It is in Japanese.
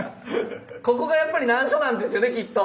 ここがやっぱり難所なんですよねきっと。